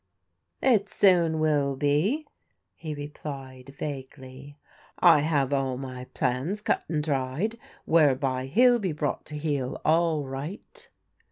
" It soon will be," he rq>lied vaguely. " I have all my plans cut and dried whereby he'll be brought to heel all right."